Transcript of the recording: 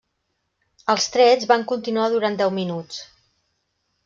Els trets van continuar durant deu minuts.